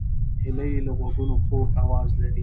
هیلۍ له غوږونو خوږ آواز لري